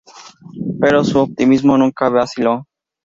Pero su optimismo nunca vaciló.